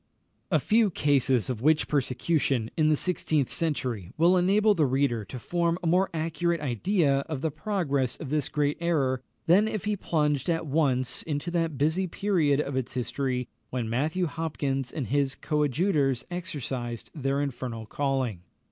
A few cases of witch persecution in the sixteenth century will enable the reader to form a more accurate idea of the progress of this great error than if he plunged at once into that busy period of its history when Matthew Hopkins and his coadjutors exercised their infernal calling.